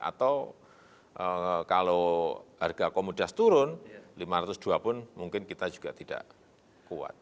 atau kalau harga komodas turun rp lima ratus dua pun mungkin kita juga tidak kuat